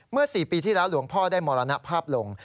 ๔ปีที่แล้วหลวงพ่อได้มรณภาพลง